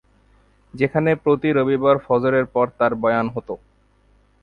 যেখানে প্রতি রবিবার ফজরের পর তার বয়ান হত।